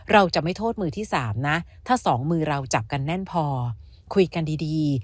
เราจะไม่โทษมือที่๓นะถ้าสองมือเราจับกันแน่นพอคุยกันดี